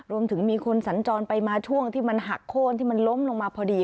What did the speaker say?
รวมถึงมีคนสัญจรไปมาช่วงที่มันหักโค้นที่มันล้มลงมาพอดี